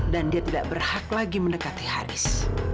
dan dia tidak berhak lagi mendekati haris